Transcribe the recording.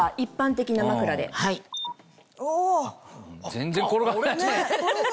全然転がんないね。